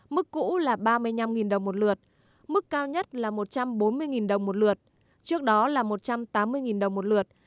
mức cũ là ba mươi năm đồng một lượt mức cao nhất là một trăm bốn mươi đồng một lượt trước đó là một trăm tám mươi đồng một lượt